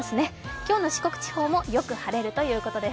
今日の四国地方もよく晴れるということです。